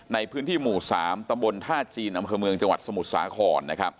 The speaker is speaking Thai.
ในพื้นที่หมู่๓ตำบลท่าจีนอำเภอเมืองจังหวัดสมุทรสาคร